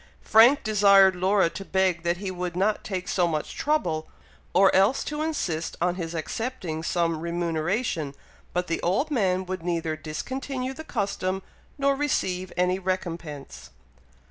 Frank desired Laura to beg that he would not take so much trouble, or else to insist on his accepting some remuneration, but the old man would neither discontinue the custom, nor receive any recompense.